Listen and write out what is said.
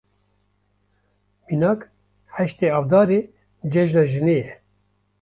Mînak, heştê Avdarê Cejna Jinê ye.